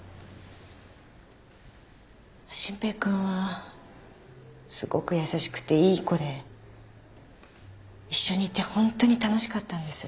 真平君はすごく優しくていい子で一緒にいてホントに楽しかったんです。